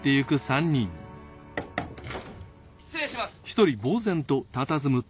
失礼します！